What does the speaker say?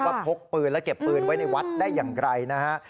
พกปืนและเก็บปืนไว้ในวัดได้อย่างไรนะฮะ